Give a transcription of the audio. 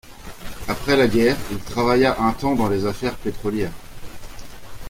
Après la guerre, il travailla un temps dans les affaires pétrolières.